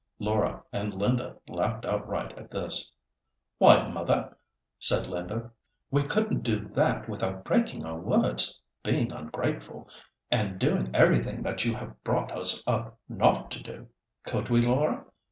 Laura and Linda laughed outright at this. "Why, mother," said Linda, we couldn't do that without breaking our words, being ungrateful, and doing everything that you have brought us up not to do; could we, Laura?